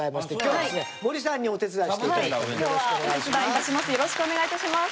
はい。